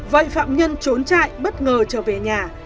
vậy phạm nhân trốn trại bất ngờ trở về nhà